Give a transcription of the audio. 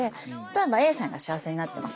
例えばＡさんが幸せになってます